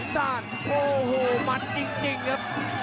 ฟันที่สองโอ้โหมันจริงครับ